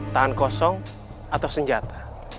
tahan kosong atau senjata